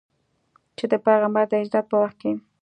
چې د پیغمبر د هجرت په وخت کې.